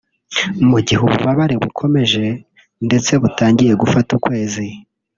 Mu gihe ububabare bukomeje ndetse butangiye gufata ukwezi